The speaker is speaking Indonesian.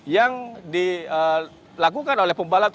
yang dilakukan oleh pembalas